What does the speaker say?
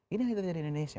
ini yang terjadi di indonesia